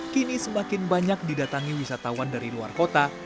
kini semakin banyak didatangi wisatawan dari luar kota